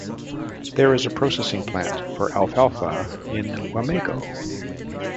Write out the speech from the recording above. There is a processing plant for alfalfa in Wamego.